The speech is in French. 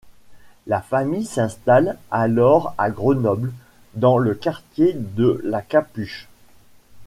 La famille s’installe alors à Grenoble dans le quartier de la Capuche.